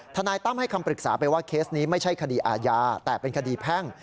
นายตั้มให้คำปรึกษาไปว่าเคสนี้ไม่ใช่คดีอาญาแต่เป็นคดีแพ่ง